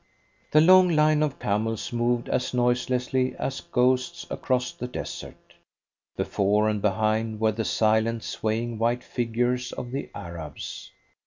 The long line of camels moved as noiselessly as ghosts across the desert. Before and behind were the silent, swaying white figures of the Arabs.